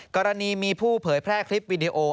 กรณีมีผู้เผยแพร่คลิปวิดีโอ